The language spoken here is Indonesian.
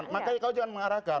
makanya kau jangan mengarahkan